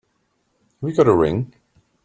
Have you got a ring?